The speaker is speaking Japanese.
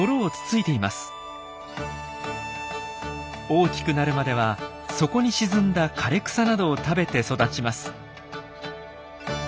大きくなるまでは底に沈んだ枯れ草などを食べて育ちます。